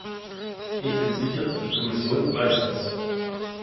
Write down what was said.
Ich bin sicher, die Kommission weiß das.